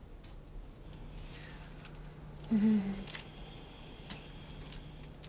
うん。